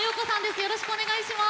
よろしくお願いします。